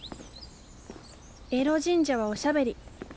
エロ神社はおしゃべり。